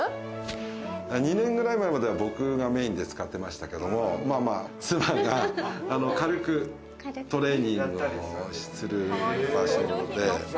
２年ぐらい前までは僕がメインで使ってましたけども、妻が軽くトレーニングをする場所で。